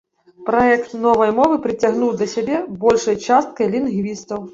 Праект новай мовы прыцягнуў да сябе большай часткай лінгвістаў.